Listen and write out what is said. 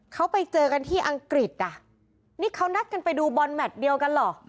เขาไปเจอกันที่อังกฤษอ่ะนี่เขานัดกันไปดูบอลแมทเดียวกันเหรอ